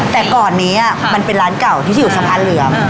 แต่ก่อนนี้มันเป็นร้านเก่าที่อยู่สะพานเหลือม